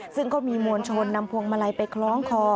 ซึ่งก็มีมวลชนนำพวงมาลัยไปคล้องคอ